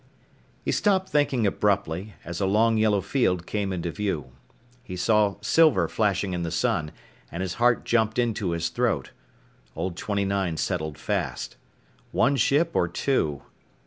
He stopped thinking abruptly as a long yellow field came into view. He saw silver flashing in the sun, and his heart jumped into his throat. Old 29 settled fast. One ship or two?